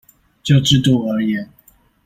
就制度而言